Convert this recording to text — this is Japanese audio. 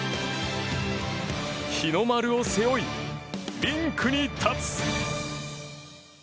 日の丸を背負い、リンクに立つ！